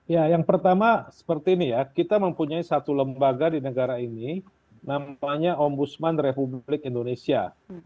ya yang pertama seperti ini ya kita mempunyai satu lembaga di negara ini namanya ombudsman republik indonesia